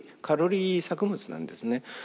カロリー作物なんですね。